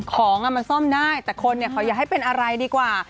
ของมันซ่อมได้แต่คนเขาอยากให้เป็นอะไรดีกว่า